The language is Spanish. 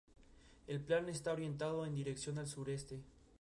El plan está orientado en dirección del sureste.